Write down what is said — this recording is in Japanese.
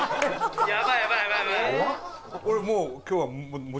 俺もう。